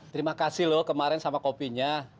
terima kasih loh kemarin sama kopinya